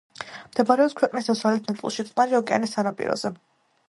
მდებარეობს ქვეყნის დასავლეთ ნაწილში, წყნარი ოკეანის სანაპიროზე.